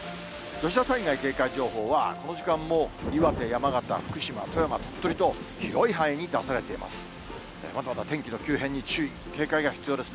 土砂災害警戒情報はこの時間も岩手、山形、福島、富山、鳥取と、広い範囲に出されています。